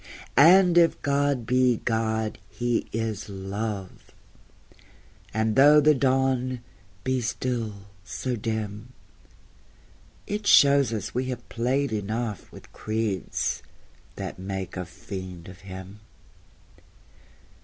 And if God be God, He is Love; And though the Dawn be still so dim, It shows us we have played enough With creeds that make a fiend of Him.